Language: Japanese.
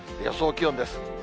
予想気温です。